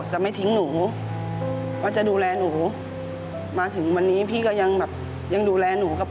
เชิญทุกป้อยไปประจำที่ครับขอบคุณครับ